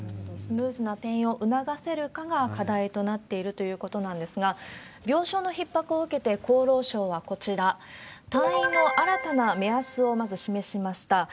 スムーズな転院を促せるかが課題となっているということなんですが、病床のひっ迫を受けて、厚労省はこちら、退院の新たな目安をまず示しました。